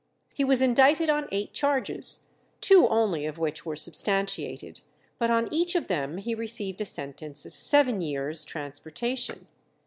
He was indicted on eight charges, two only of which were substantiated, but on each of them he received a sentence of seven years' transportation.